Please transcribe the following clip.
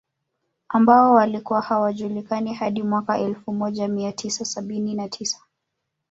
Ambao walikuwa hawajulikani hadi mwaka Elfu moja mia tisa sabini na tisa